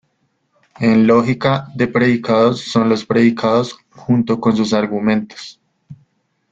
En lógica de predicados, son los predicados junto con sus argumentos.